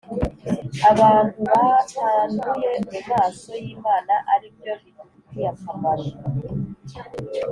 abantu batanduye mu maso y Imana ari byo bidufitiye akamaro